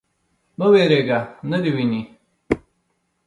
_مه وېرېږه. نه دې ويني.